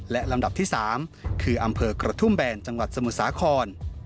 และลำดับที่๓คืออำเภอกระทุ่มแบนจังหวัดสมุทรสาคร